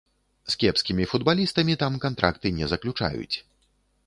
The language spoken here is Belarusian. З кепскімі футбалістамі там кантракты не заключаюць.